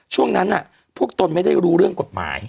ช่วงนั้นพวกตนไม่ได้รู้เรื่องกฎหมาย